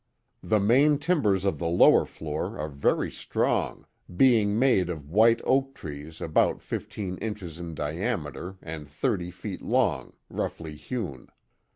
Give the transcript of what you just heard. The main timbers of the lower floor are very strong, being made of white oak trees about fifteen inches in diameter and thirty feet long. roughly hewn.